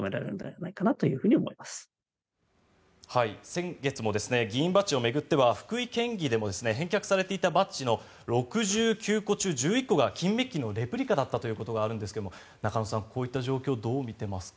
先月も議員バッジを巡っては福井県議会でも返却されていたバッジの６９個中１１個が金めっきのレプリカだったということがあるんですが中野さん、こういった状況をどう見ていますか。